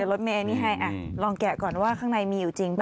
เมโน้นมีอันนี้ให้ลองแกะก่อนว่าข้างในมีอยู่จริงปะ